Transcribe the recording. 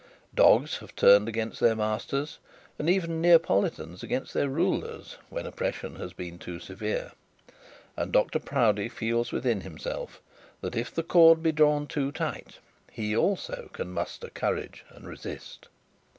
Dogs have turned against their masters, and even Neapolitans against their rulers, when oppression has been too severe. And Dr Proudie feels within himself that if the cord be drawn too tight, he also can muster courage and resist.